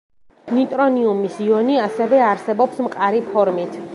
ნიტრონიუმის იონი ასევე არსებობს მყარი ფორმით.